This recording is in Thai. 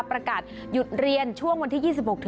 ประกาศหยุดเรียนช่วงวันที่๒๖